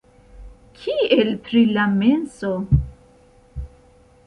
Kiel pri la menso?